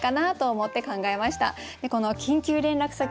でこの「緊急連絡先」。